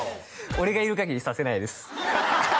俺がいるかぎりさせないです